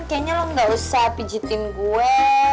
kayaknya lo gak usah pijitin gue